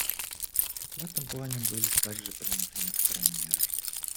В этом плане были также приняты некоторые меры.